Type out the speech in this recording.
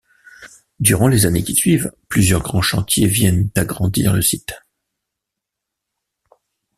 Durant les années qui suivent, plusieurs grands chantiers viennent agrandir le site.